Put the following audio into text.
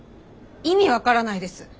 意味分からないです。